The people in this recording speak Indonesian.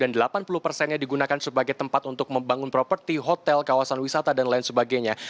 dan delapan puluh persennya digunakan sebagai tempat untuk membangun properti hotel kawasan wisata dan lain sebagainya